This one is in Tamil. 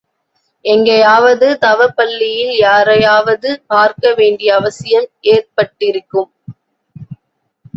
எங்காவது தவப் பள்ளியில் யாரையாவது பார்க்க வேண்டிய அவசியம் ஏற்பட்டிருக்கும்.